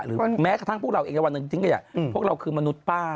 แม้กระทั่งพวกเราเองในวันหนึ่งทิ้งขยะพวกเราคือมนุษย์ป้า